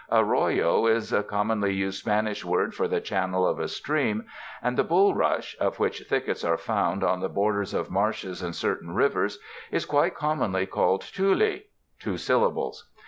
Arroyo is a commonly used Spanish word for the channel of a stream, and the bulrush — of which thickets are found on the borders of marshes and certain rivers — is quite commonly called tule (two syllables).